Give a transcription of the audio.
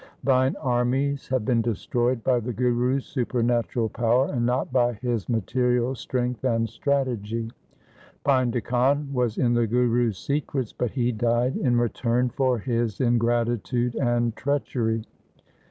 Thine armies have been destroyed by the Guru's supernatural power, and not by his material strength and strategy. Painda Khan was in the Guru's secrets, but he died in return for his ingratitude and treachery.